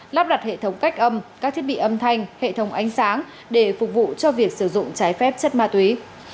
lắp đặt hệ thống cách âm các thiết bị âm thanh hệ thống ánh sáng để phục vụ cho việc sử dụng trái phép chất ma túy